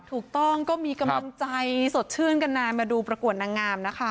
ถูกต้องก็มีกำลังใจสดชื่นกันนานมาดูประกวดนางงามนะคะ